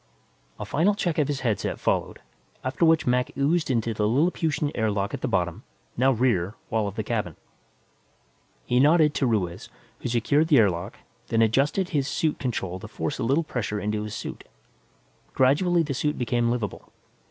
A final check of his headset followed, after which Mac oozed into the Lilliputian air lock at the bottom, now rear, wall of the cabin. He nodded to Ruiz, who secured the air lock, then adjusted his suit control to force a little pressure into his suit. Gradually the suit became livable.